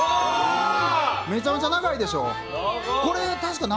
めちゃめちゃ長いでしょ。